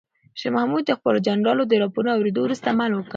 شاه محمود د خپلو جنرالانو د راپورونو اورېدو وروسته عمل وکړ.